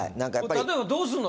例えばどうすんの？